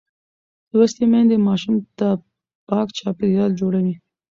لوستې میندې ماشوم ته پاک چاپېریال جوړوي.